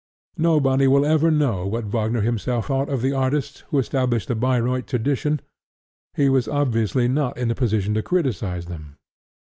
Nobody will ever know what Wagner himself thought of the artists who established the Bayreuth tradition: he was obviously not in a position to criticize them.